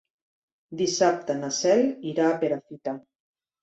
Dissabte na Cel irà a Perafita.